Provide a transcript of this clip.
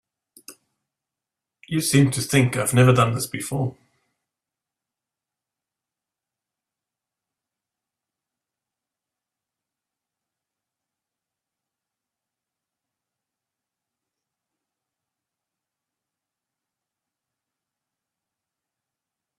You seem to think I've never done this before.